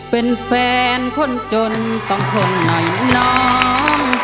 เป็นแฟนคนจนต้องทนหน่อยน้อง